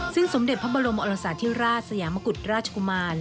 ซึ่งสมเด็จพระบรมอรสาธิราชสยามกุฎราชกุมาร